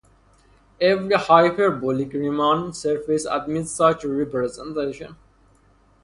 Every hyperbolic Riemann surface admits such a representation.